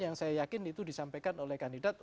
yang saya yakin itu disampaikan oleh kandidat